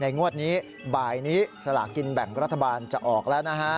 งวดนี้บ่ายนี้สลากินแบ่งรัฐบาลจะออกแล้วนะฮะ